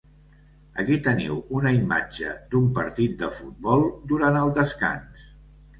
Aquí teniu una imatge d'un partit de futbol durant el descans.